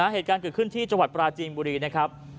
เหตุการณ์เกิดขึ้นที่จังหวัดปราจีนบุรีนะครับ